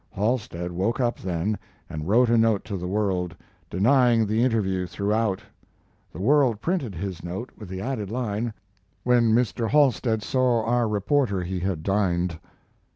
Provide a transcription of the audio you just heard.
Halstead woke up, then, and wrote a note to the World, denying the interview throughout. The World printed his note with the added line: "When Mr. Halstead saw our reporter he had dined."